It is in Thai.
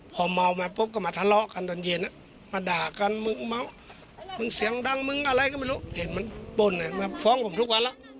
พอเมามาปุ๊บก็มาทะเลาะกันตอนเย็นมาด่ากันมึงเมามึงเสียงดังมึงอะไรก็ไม่รู้เห็นมันป้นมาฟ้องผมทุกวันแล้ว